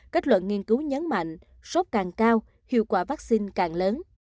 kết luận nghiên cứu nhấn mạnh sốt càng cao hiệu quả vaccine càng lớn